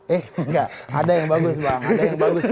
eh enggak ada yang bagus bang